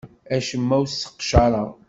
Acemma ur t-sseqcareɣ.